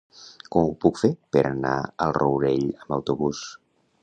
Com ho puc fer per anar al Rourell amb autobús?